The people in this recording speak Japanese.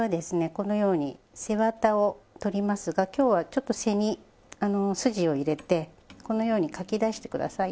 このように背ワタを取りますが今日はちょっと背に筋を入れてこのようにかき出してください。